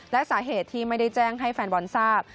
และสาเหตุที่ไม่ได้แจ้งให้แฟนบอลทราบ